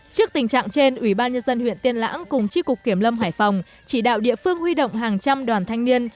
trước tình trạng trên ủy ban nhân dân huyện tiên lãng cùng chi cục kiểm lâm hải phòng chỉ đạo địa phương huy động hàng trăm đoàn thanh niên